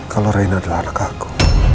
kalau raini adalah anak aku